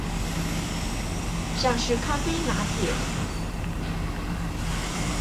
像是咖啡拿鐵